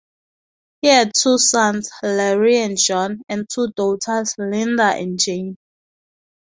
He had two sons, Larry and John and two daughters, Linda and Jane.